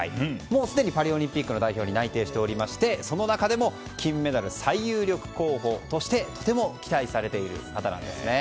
すでにパリオリンピックの代表に内定していましてその中でも金メダル最有力候補としてとても期待されている方なんです。